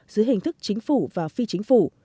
giữa hình thức chính phủ và phi chính phủ